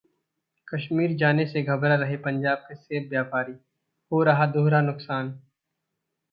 कश्मीर जाने से घबरा रहे पंजाब के सेब व्यापारी, हो रहा दोहरा नुकसान